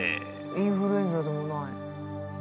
インフルエンザでもない。